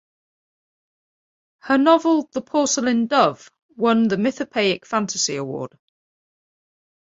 Her novel "The Porcelain Dove" won the Mythopoeic Fantasy Award.